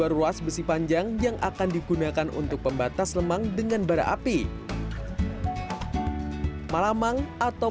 ruas besi panjang yang akan digunakan untuk pembatas lemang dengan bara api malamang atau